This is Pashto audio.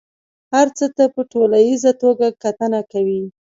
هر څه ته په ټوليزه توګه کتنه کوي.